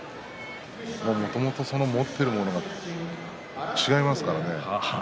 もともと持っているものが違いますからね。